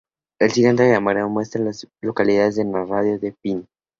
El siguiente diagrama muestra a las localidades en un radio de de Pine Ridge.